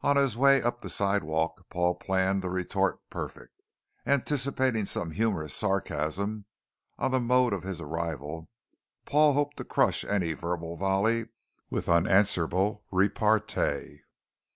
On his way up the sidewalk, Paul planned the retort perfect. Anticipating some humorous sarcasm on the mode of his arrival, Paul hoped to crush any verbal volley with unanswerable repartee.